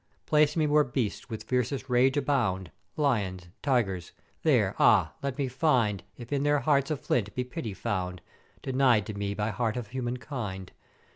"'Place me where beasts with fiercest rage abound, Lyons and Tygers, there, ah! let me find if in their hearts of flint be pity found, denied to me by heart of humankind.